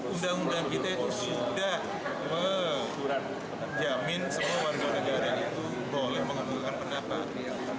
undang undang kita itu sudah menjamin semua warga negara itu boleh mengambilkan pendapat